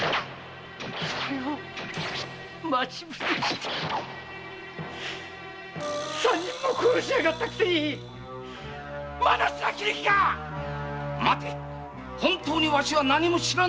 それを待ち伏せして三人も殺したくせにまだシラを切る気か待て本当にわしは何も知らん。